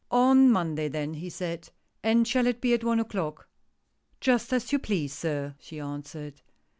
" On Monday, then," he said, " and shall it be at one o'clock!" " Just as you please, sir," she answered.